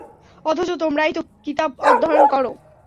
অথচ তোমরাই তো কিতাব অধ্যয়ন কর।